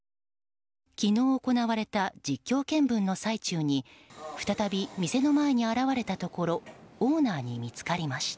昨日行われた実況見分の最中に再び店の前に現れたところオーナーに見つかりました。